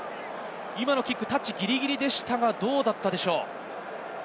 タッチ、ギリギリでしたが、どうだったでしょうか。